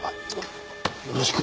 よろしく。